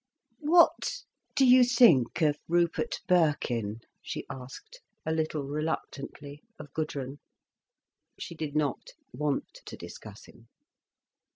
"What do you think of Rupert Birkin?" she asked, a little reluctantly, of Gudrun. She did not want to discuss him.